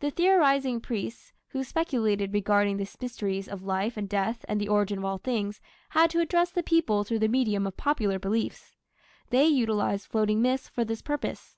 The theorizing priests, who speculated regarding the mysteries of life and death and the origin of all things, had to address the people through the medium of popular beliefs. They utilized floating myths for this purpose.